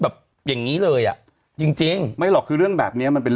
อย่างงี้เลยอ่ะจริงจริงไม่หรอกคือเรื่องแบบเนี้ยมันเป็น